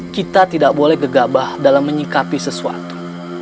kita tidak boleh gegabah dalam menyikapi sesuatu